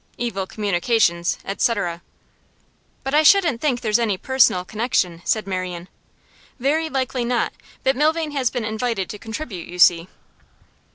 Evil communications, &c.' 'But I shouldn't think there's any personal connection,' said Marian. 'Very likely not. But Milvain has been invited to contribute, you see.